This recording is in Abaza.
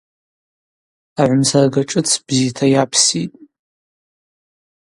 Агӏвымсарга шӏыц бзита йапситӏ.